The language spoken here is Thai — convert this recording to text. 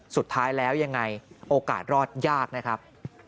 สุดท้ายแล้วยังไงโอกาสรอดยากนะครับ